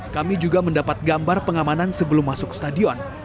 kami juga mendapat gambar pengamanan sebelum masuk stadion